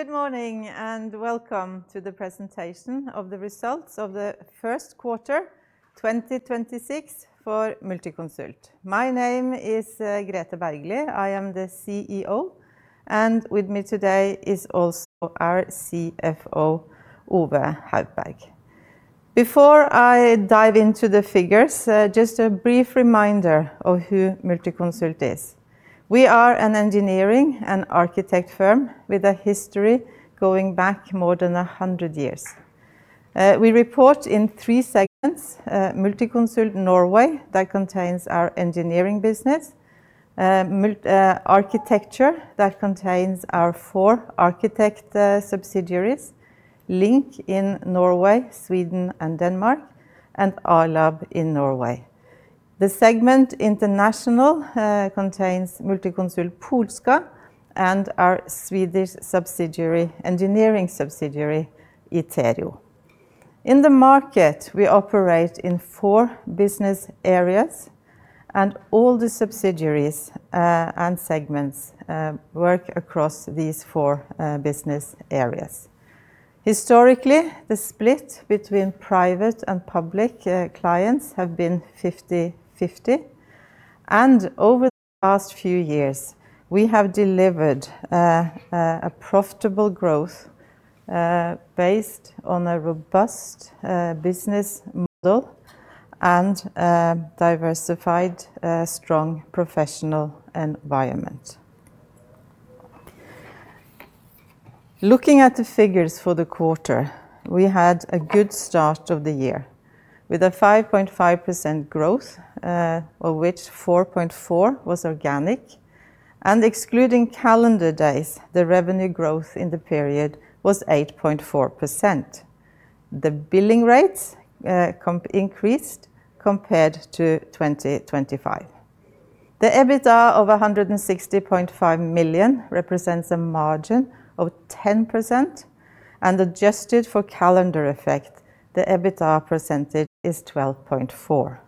Good morning, and welcome to the presentation of the results of the first quarter 2026 for Multiconsult. My name is Grethe Bergly. I am the CEO, and with me today is also our CFO, Ove Haupberg. Before I dive into the figures, just a brief reminder of who Multiconsult is. We are an engineering and architect firm with a history going back more than 100 years. We report in three segments. Multiconsult Norway, that contains our engineering business. Architecture, that contains our four architect subsidiaries. LINK in Norway, Sweden, and Denmark, and A-lab in Norway. The segment International, contains Multiconsult Polska and our Swedish subsidiary, engineering subsidiary, Iterio. In the market, we operate in four business areas and all the subsidiaries and segments work across these four business areas. Historically, the split between private and public clients have been 50/50, and over the past few years, we have delivered a profitable growth based on a robust business model and a diversified strong professional environment. Looking at the figures for the quarter, we had a good start of the year with a 5.5% growth, of which 4.4% was organic. Excluding calendar days, the revenue growth in the period was 8.4%. The billing rates increased compared to 2025. The EBITDA of 160.5 million represents a margin of 10%, and adjusted for calendar effect, the EBITDA percentage is 12.4%.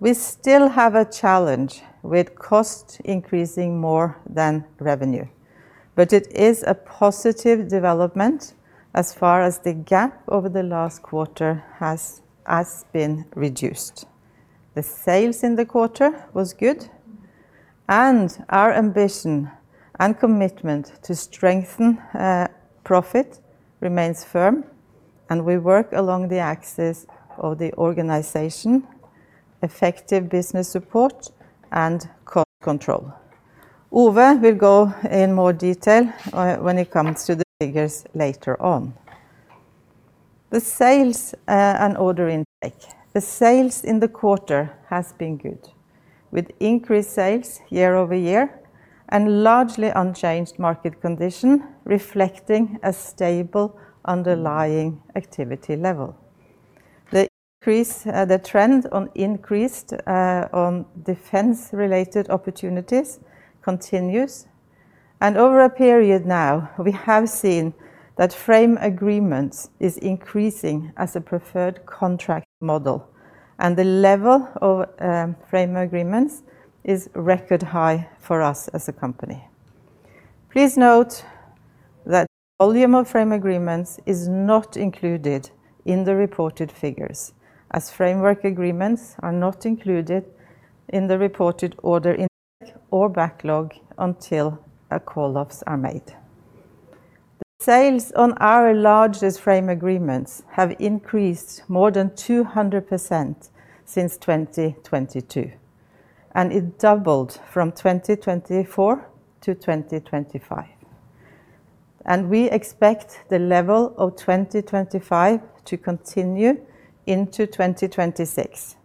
We still have a challenge with cost increasing more than revenue. It is a positive development as far as the gap over the last quarter has been reduced. The sales in the quarter was good. Our ambition and commitment to strengthen profit remains firm. We work along the axis of the organization, effective business support, and cost control. Ove will go in more detail when it comes to the figures later on. The sales and order intake. The sales in the quarter has been good, with increased sales year-over-year and largely unchanged market condition, reflecting a stable underlying activity level. The increase, the trend on increased on defense-related opportunities continues. Over a period now, we have seen that frame agreements is increasing as a preferred contract model, and the level of frame agreements is record high for us as a company. Please note that volume of frame agreements is not included in the reported figures, as framework agreements are not included in the reported order intake or backlog until call-offs are made. The sales on our largest frame agreements have increased more than 200% since 2022, and it doubled from 2024-2025. We expect the level of 2025 to continue into 2026.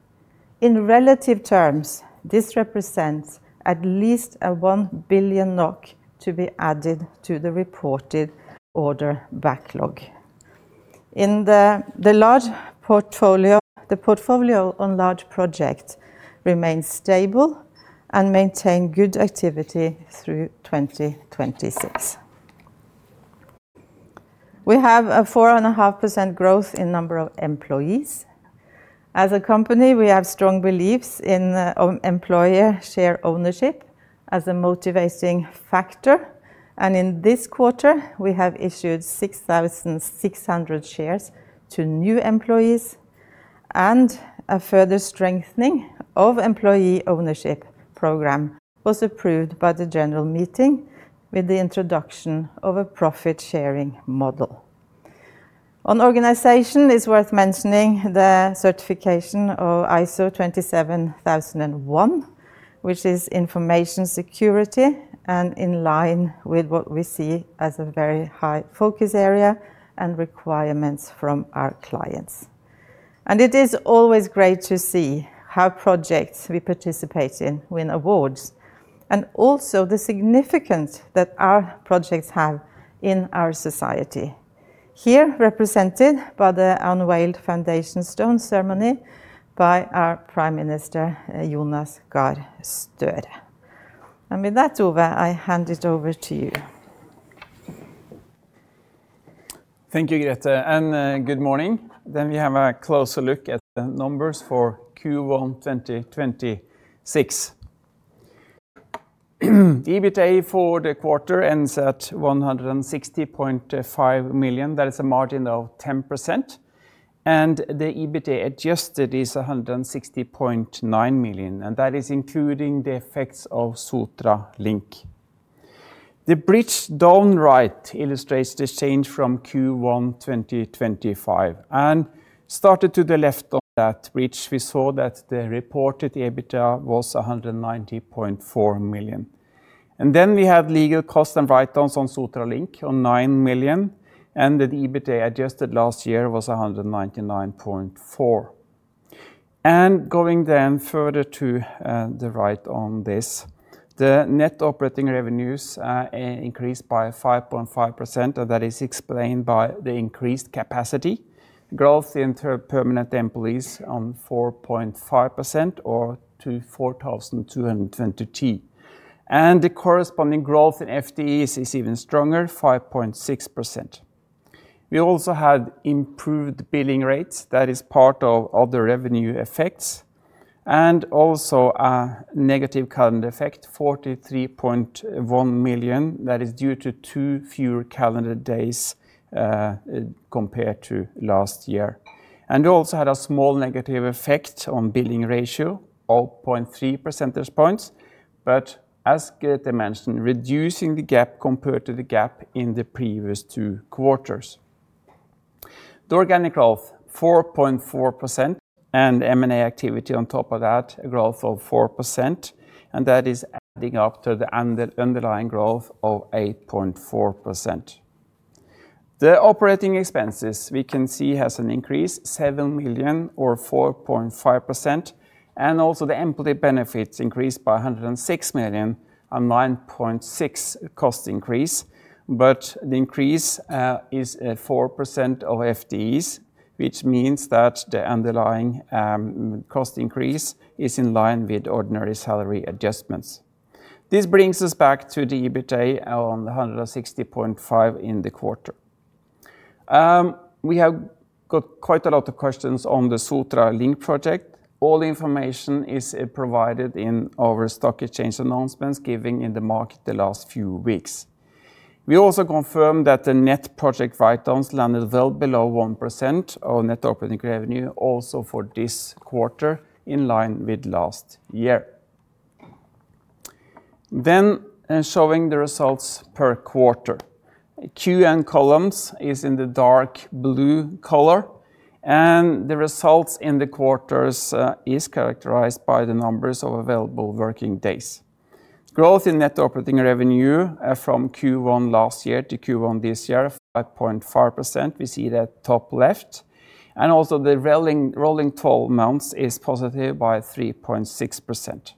In relative terms, this represents at least 1 billion NOK to be added to the reported order backlog. In the large portfolio, the portfolio on large project remains stable and maintain good activity through 2026. We have a 4.5% growth in number of employees. As a company, we have strong beliefs in employee share ownership as a motivating factor. In this quarter, we have issued 6,600 shares to new employees, and a further strengthening of employee ownership program was approved by the general meeting with the introduction of a profit-sharing model. On organization, it's worth mentioning the certification of ISO 27001, which is information security and in line with what we see as a very high focus area and requirements from our clients. It is always great to see how projects we participate in win awards and also the significance that our projects have in our society. Here represented by the unveiled foundation stone ceremony by our Prime Minister, Jonas Gahr Støre. With that, Ove, I hand it over to you. Thank you, Grethe, good morning. We have a closer look at the numbers for Q1 2026. EBITDA for the quarter ends at 160.5 million. That is a margin of 10%. The EBIT adjusted is 160.9 million, and that is including the effects of Sotra Link. The bridge down right illustrates the change from Q1 2025. Starting to the left of that bridge, we saw that the reported EBITDA was 190.4 million. We have legal costs and write-downs on Sotra Link on 9 million, and the EBIT adjusted last year was 199.4 million. Going further to the right on this, the net operating revenues increased by 5.5%, and that is explained by the increased capacity. Growth in permanent employees of 4.5% or to 4,220. The corresponding growth in FTEs is even stronger, 5.6%. We also had improved billing rates. That is part of the revenue effects, also a negative calendar effect, 43.1 million. That is due to two fewer calendar days compared to last year. Also had a small negative effect on billing ratio, 0.3 percentage points. As Grethe mentioned, reducing the gap compared to the gap in the previous two quarters. The organic growth, 4.4%, M&A activity on top of that, a growth of 4%, that is adding up to the underlying growth of 8.4%. The operating expenses we can see has an increase, 7 million or 4.5%. Also, the employee benefits increased by 106 million, a 9.6% cost increase. The increase is at 4% of FTEs, which means that the underlying cost increase is in line with ordinary salary adjustments. This brings us back to the EBIT on the 160.5 in the quarter. We have got quite a lot of questions on the Sotra Link project. All the information is provided in our stock exchange announcements given in the market the last few weeks. We also confirm that the net project write-downs landed well below 1% of net operating revenue also for this quarter, in line with last year. Showing the results per quarter. Q in columns is in the dark blue color, and the results in the quarters is characterized by the numbers of available working days. Growth in net operating revenue from Q1 last year to Q1 this year, 5.5%. We see that top left. Also the rolling 12 months is positive by 3.6%.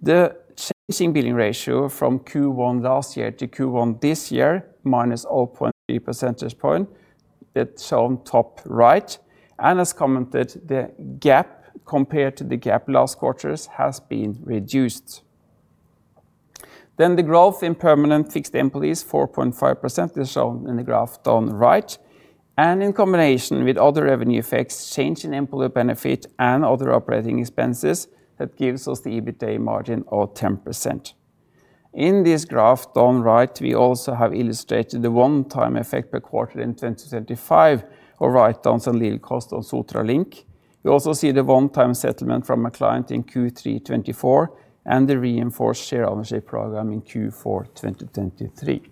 The changing billing ratio from Q1 last year to Q1 this year, -0.3 percentage point. It's on top right. As commented, the gap compared to the gap last quarters has been reduced. The growth in permanent fixed employees, 4.5%, is shown in the graph down right. In combination with other revenue effects, change in employee benefit and other operating expenses, that gives us the EBITA margin of 10%. In this graph down right, we also have illustrated the one-time effect per quarter in 2025 or write-downs on legal cost on Sotra Link. We also see the one-time settlement from a client in Q3 2024 and the reinforced share ownership program in Q4 2023.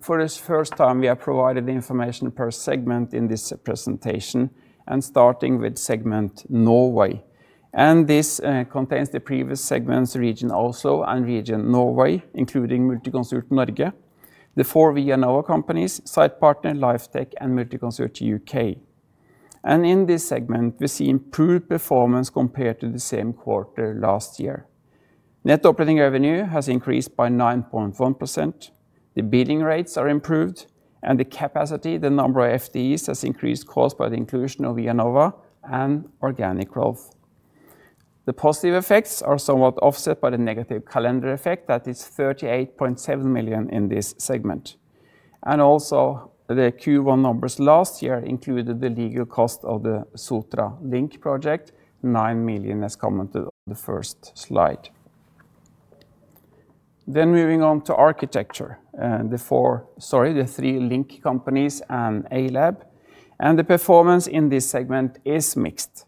For the first time, we are provided the information per Segment in this presentation, starting with Segment Norway. This contains the previous segments Region Oslo and Region Norway, including Multiconsult Norge. The four ViaNova companies, Sitepartner, Lifetech, and Multiconsult U.K. In this segment, we see improved performance compared to the same quarter last year. Net operating revenue has increased by 9.1%. The billing rates are improved and the capacity, the number of FTEs, has increased caused by the inclusion of ViaNova and organic growth. The positive effects are somewhat offset by the negative calendar effect that is 38.7 million in this segment. Also the Q1 numbers last year included the legal cost of the Sotra Link project, 9 million as commented on the first slide. Moving on to architecture, the three LINK companies and A-lab, the performance in this segment is mixed.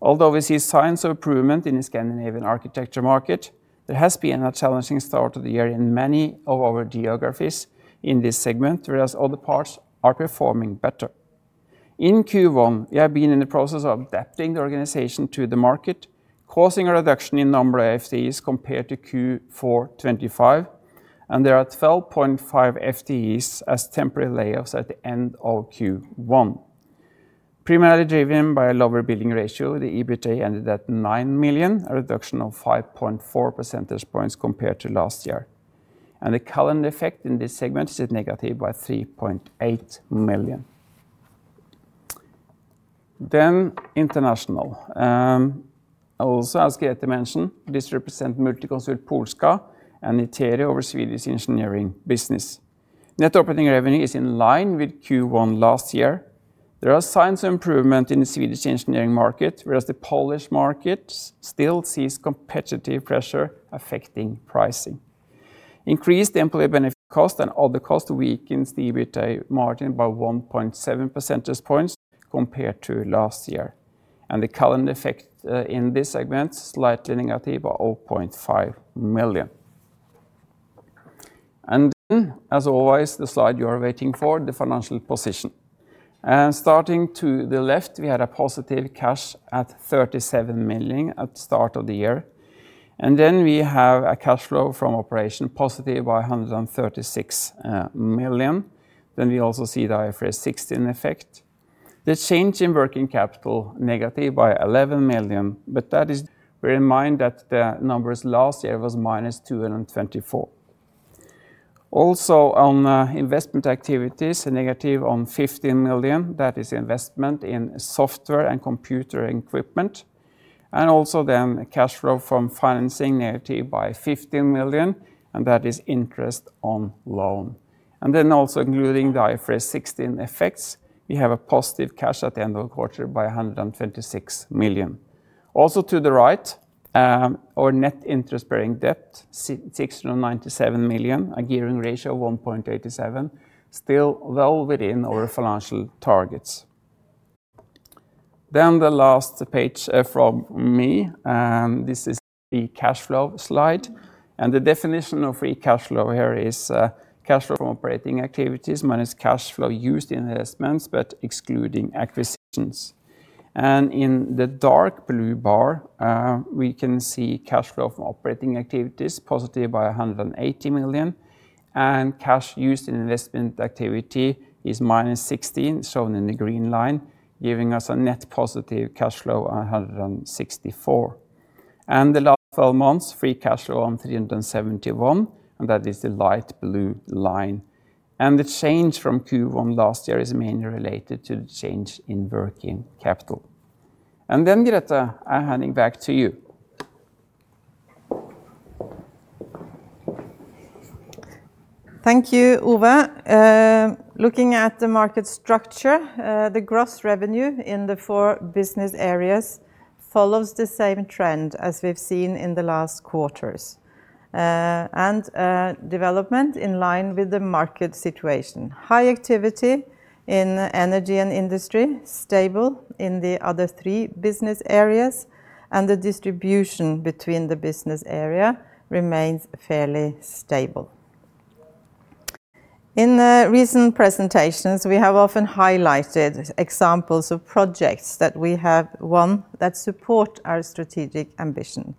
Although we see signs of improvement in the Scandinavian architecture market, there has been a challenging start to the year in many of our geographies in this segment, whereas other parts are performing better. In Q1, we have been in the process of adapting the organization to the market, causing a reduction in number of FTEs compared to Q4 2025, there are 12.5 FTEs as temporary layoffs at the end of Q1. Primarily driven by a lower billing ratio, the EBIT ended at 9 million, a reduction of 5.4 percentage points compared to last year. The calendar effect in this segment is at negative by 3.8 million. International. Also as Grethe mentioned, this represent Multiconsult Polska and Iterio over Swedish engineering business. Net operating revenue is in line with Q1 last year. There are signs of improvement in the Swedish engineering market, whereas the Polish markets still sees competitive pressure affecting pricing. Increased employee benefit cost and other cost weakens the EBITA margin by 1.7 percentage points compared to last year. The calendar effect, in this segment, slightly negative, by 0.5 million. As always, the slide you are waiting for, the financial position. Starting to the left, we had a positive cash at 37 million at start of the year. We have a cash flow from operation positive by 136 million. We also see the IFRS 16 effect. The change in working capital negative by 11 million, but that is bear in mind that the numbers last year was -224. Also on investment activities, negative on 15 million, that is investment in software and computer equipment. Also cash flow from financing negative by 15 million, and that is interest on loan. Also including the IFRS 16 effects, we have a positive cash at the end of the quarter by 126 million. Also to the right, our net interest-bearing debt, 697 million, a gearing ratio of 1.87, still well within our financial targets. The last page from me, this is the free cash flow slide. The definition of free cash flow here is cash flow from operating activities minus cash flow used in investments, but excluding acquisitions. In the dark blue bar, we can see cash flow from operating activities positive by 180 million, and cash used in investment activity is -16, shown in the green line, giving us a net positive cash flow of 164. The last 12 months, free cash flow on 371, and that is the light blue line. The change from Q1 last year is mainly related to the change in working capital. Grethe, I'm handing back to you. Thank you, Ove. Looking at the market structure, the gross revenue in the four business areas follows the same trend as we've seen in the last quarters. Development in line with the market situation. High activity in energy and industry, stable in the other three business areas. The distribution between the business area remains fairly stable. In the recent presentations, we have often highlighted examples of projects that we have won that support our strategic ambition.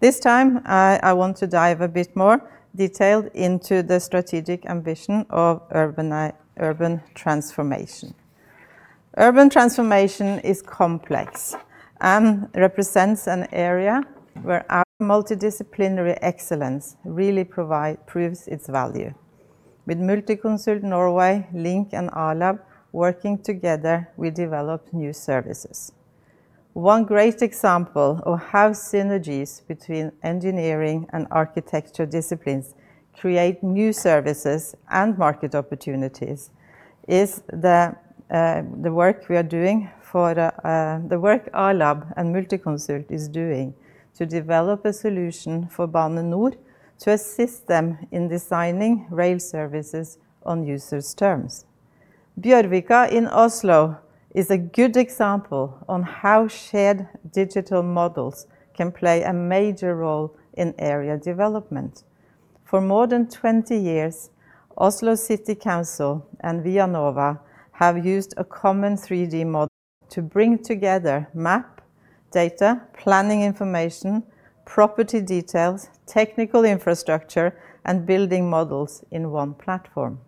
This time, I want to dive a bit more detailed into the strategic ambition of urban transformation. Urban transformation is complex and represents an area where our multidisciplinary excellence really proves its value. With Multiconsult Norway, LINK and A-lab working together, we develop new services. One great example of how synergies between engineering and architecture disciplines create new services and market opportunities is the work we are doing for the work A-lab and Multiconsult is doing to develop a solution for Bane NOR to assist them in designing rail services on users' terms. Bjørvika in Oslo is a good example on how shared digital models can play a major role in area development. For more than 20 years, Oslo City Council and ViaNova have used a common 3D model to bring together map, data, planning information, property details, technical infrastructure, and building models in one platform,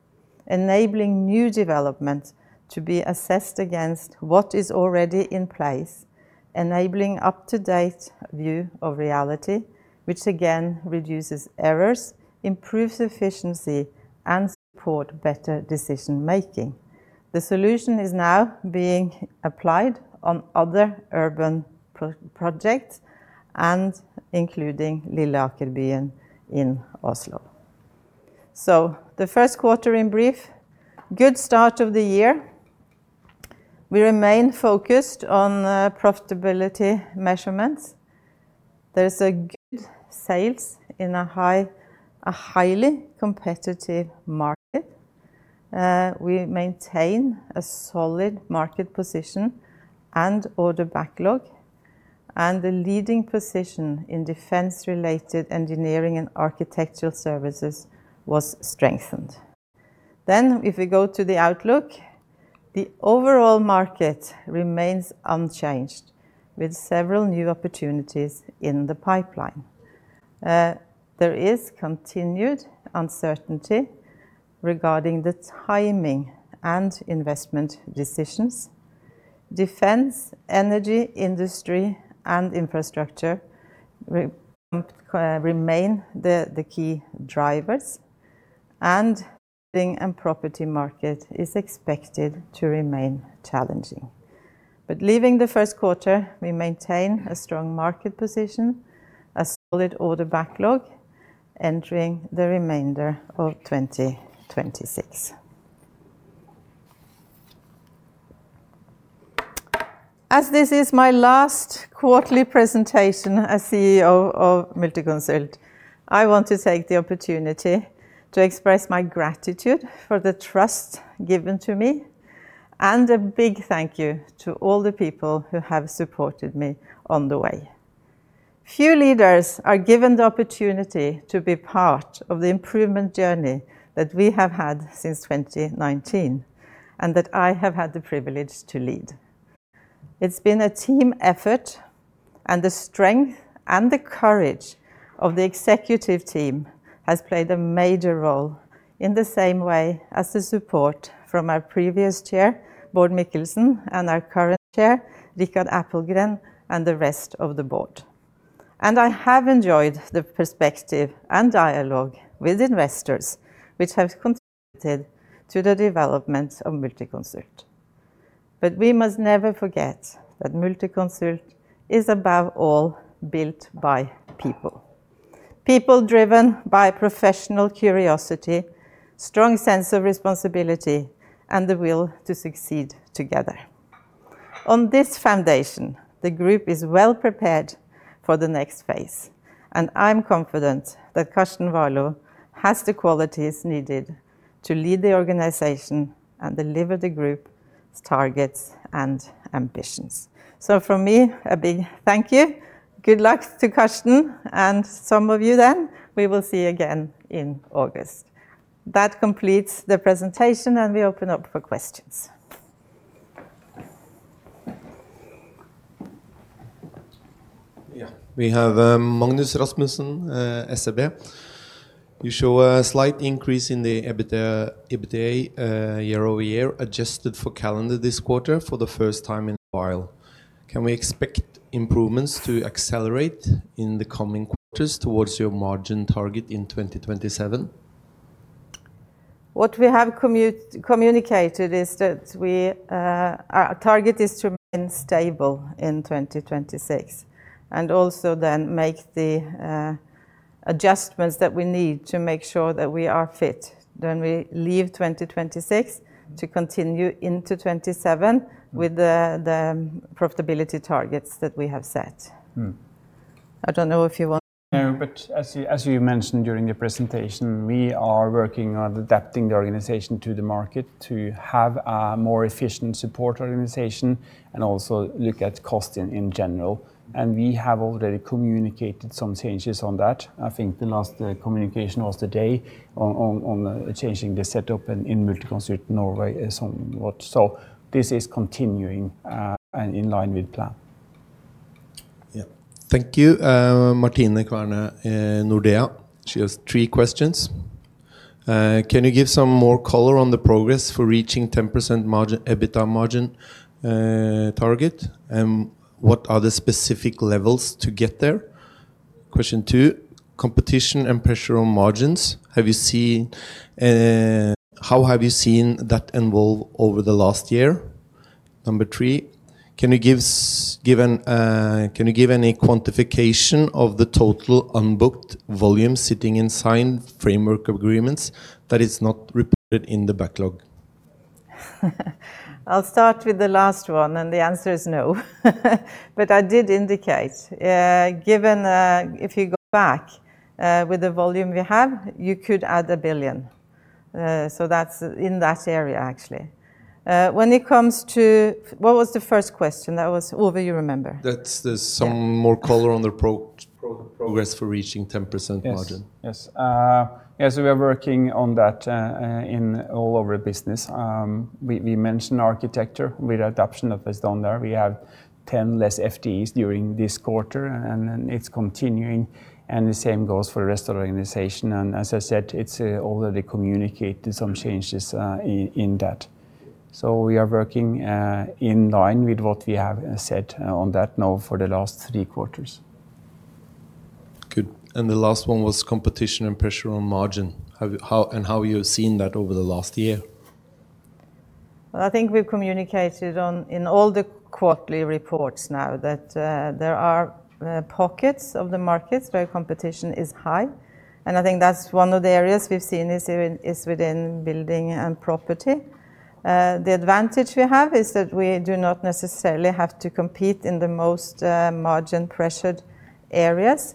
enabling new developments to be assessed against what is already in place, enabling up-to-date view of reality, which again reduces errors, improves efficiency, and support better decision-making. The solution is now being applied on other urban projects and including Lilleakerbyen in Oslo. The first quarter in brief, good start of the year. We remain focused on profitability measurements. There is good sales in a highly competitive market. We maintain a solid market position and order backlog, and the leading position in defense-related engineering and architectural services was strengthened. If we go to the outlook, the overall market remains unchanged, with several new opportunities in the pipeline. There is continued uncertainty regarding the timing and investment decisions. Defense, energy, industry, and infrastructure remain the key drivers. Building and property market is expected to remain challenging. Leaving the first quarter, we maintain a strong market position, a solid order backlog entering the remainder of 2026. As this is my last quarterly presentation as CEO of Multiconsult, I want to take the opportunity to express my gratitude for the trust given to me, and a big thank you to all the people who have supported me on the way. Few leaders are given the opportunity to be part of the improvement journey that we have had since 2019, and that I have had the privilege to lead. It's been a team effort, and the strength and the courage of the executive team has played a major role in the same way as the support from our previous Chair, Bård Mikkelsen, and our current Chair, Rikard Appelgren, and the rest of the board. I have enjoyed the perspective and dialogue with investors which have contributed to the development of Multiconsult. We must never forget that Multiconsult is above all built by people. People driven by professional curiosity, strong sense of responsibility, and the will to succeed together. On this foundation, the group is well prepared for the next phase, and I'm confident that Karsten Warloe has the qualities needed to lead the organization and deliver the group's targets and ambitions. From me, a big thank you. Good luck to Karsten and some of you then we will see again in August. That completes the presentation. We open up for questions. Yeah. We have, Magnus Rasmussen, SEB. You show a slight increase in the EBITDA, year-over-year adjusted for calendar this quarter for the first time in a while. Can we expect improvements to accelerate in the coming quarters towards your margin target in 2027? What we have communicated is that we, our target is to remain stable in 2026, and also then make the adjustments that we need to make sure that we are fit when we leave 2026 to continue into 2027 with the profitability targets that we have set. I don't know if you want- No, as you mentioned during the presentation, we are working on adapting the organization to the market to have a more efficient support organization and also look at cost in general. We have already communicated some changes on that. I think the last communication was today on changing the setup in Multiconsult Norway somewhat. This is continuing and in line with plan. Yeah. Thank you. Martine Kverne, Nordea. She has three questions. Can you give some more color on the progress for reaching 10% EBITDA margin target? What are the specific levels to get there? Question two, competition and pressure on margins. How have you seen that evolve over the last year? Number three, can you give any quantification of the total unbooked volume sitting in signed framework agreements that is not reported in the backlog? I'll start with the last one, the answer is no. I did indicate, given, if you go back, with the volume we have, you could add 1 billion. That's in that area, actually. When it comes to What was the first question? That was Ove, you remember? That's the- Yeah ...some more color on the progress for reaching 10% margin. Yes. Yes. Yes, we are working on that in all over business. We mentioned architecture with adoption of Astonda. We have 10 less FTEs during this quarter, and then it's continuing, and the same goes for the rest of the organization. As I said, it's already communicated some changes in that. We are working in line with what we have said on that now for the last three quarters. Good. The last one was competition and pressure on margin. How you've seen that over the last year? Well, I think we've communicated on, in all the quarterly reports now that there are pockets of the markets where competition is high. I think that's one of the areas we've seen is within building and property. The advantage we have is that we do not necessarily have to compete in the most margin-pressured areas.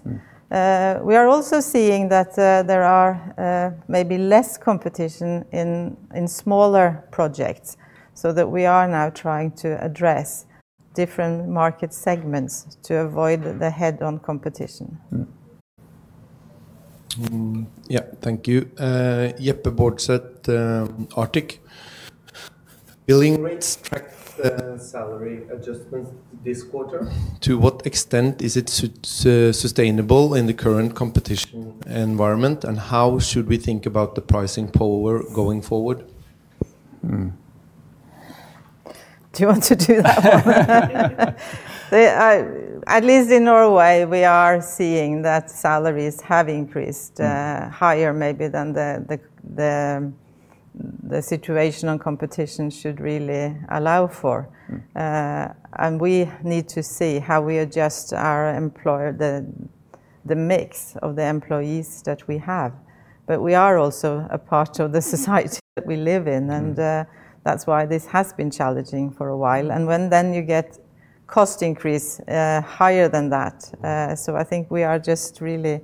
We are also seeing that there are maybe less competition in smaller projects, so that we are now trying to address different market segments to avoid the head-on competition. Yeah. Thank you. [Jeppe Børseth] Arctic. Billing rates tracked, salary adjustments this quarter. To what extent is it sustainable in the current competition environment, and how should we think about the pricing power going forward? Do you want to do that one? The, at least in Norway, we are seeing that salaries have increased higher maybe than the situation on competition should really allow for. We need to see how we adjust our employer, the mix of the employees that we have. We are also a part of the society that we live in. That's why this has been challenging for a while. When you get cost increase higher than that. I think we are just really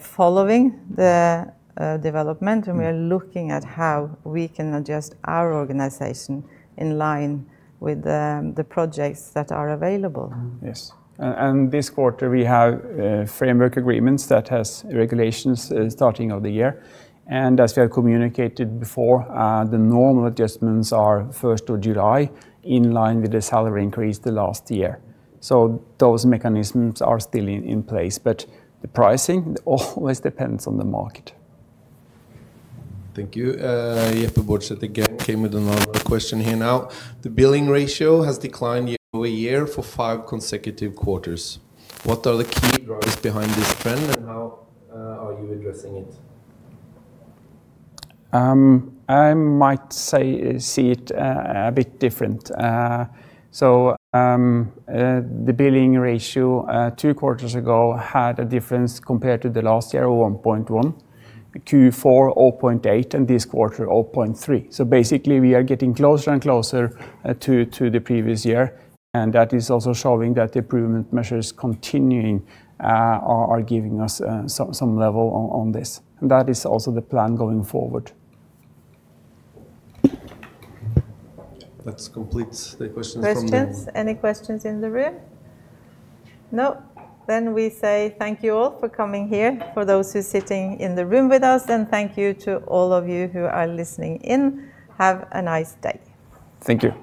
following the development. We are looking at how we can adjust our organization in line with the projects that are available. Yes. This quarter we have framework agreements that has regulations starting of the year. As we have communicated before, the normal adjustments are July 1st in line with the salary increase the last year. Those mechanisms are still in place. The pricing, it always depends on the market. Thank you. [Jeppe Børseth] again came with another question here now. The billing ratio has declined year-over-year for five consecutive quarters. What are the key drivers behind this trend, and how are you addressing it? I might say, see it a bit different. The billing ratio two quarters ago had a difference compared to the last year of 1.1, Q4, 0.8, and this quarter, 0.3. Basically we are getting closer and closer to the previous year, that is also showing that the improvement measures continuing are giving us some level on this. That is also the plan going forward. That completes the questions from the room. Questions? Any questions in the room? No. We say thank you all for coming here, for those who's sitting in the room with us, and thank you to all of you who are listening in. Have a nice day. Thank you.